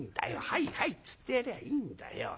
『はいはい』っつってやりゃいいんだよ。